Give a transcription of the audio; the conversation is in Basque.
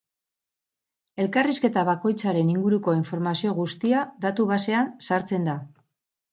Elkarrizketa bakoitzaren inguruko informazio guztia datu-basean sartzen da.